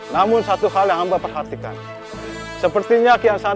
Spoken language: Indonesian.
kau tahu apa yang aku mau katakan